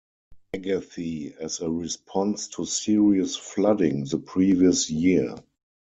Agathe, as a response to serious flooding the previous year.